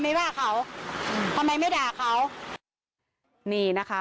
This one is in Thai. ไม่ว่าเขาทำไมไม่ด่าเขานี่นะคะ